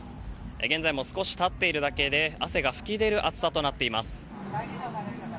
現在も少し立っているだけで汗が噴き出る暑さとなっています。